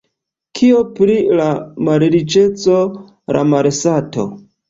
Kio pri la malriĉeco, la malsato?